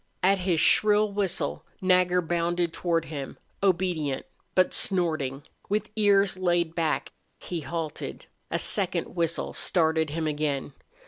At his shrill whistle Nagger bounded toward him, obedient, but snorting, with ears laid back. He halted. A second whistle started him again.